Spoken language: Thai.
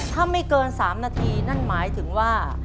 ถ้าไม่เกิน๓นาทีนั่นหมายถึงว่า